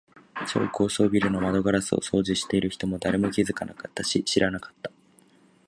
超高層ビルの窓ガラスを掃除している人も、誰も気づかなかったし、知らなかった。